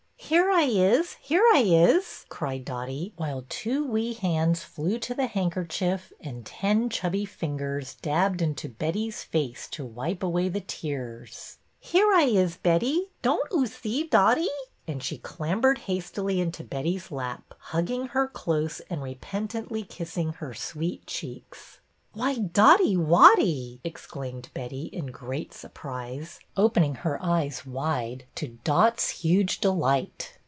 '' Here I is, here I is !" cried Dotty, while two wee hands flew to the handkerchief and ten chubby fingers dabbed into Betty's face to wipe away the tears. '' Here I is, Betty. Don't 00 see Dotty? " and she clambered hastily into Betty's lap, hug ging her close and repentantly kissing her sweet cheeks. Why, Dotty Wotty!" exclaimed Betty, in great surprise, opening her eyes wide, to Dot's huge delight.